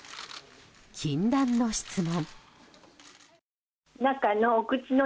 禁断の質問。